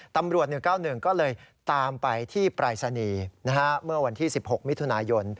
๑๙๑ก็เลยตามไปที่ปรายศนีย์เมื่อวันที่๑๖มิถุนายน